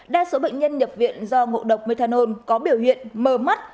đa số bệnh nhân nhập viện do ngộ độc methanol có biểu hiện mờ mắt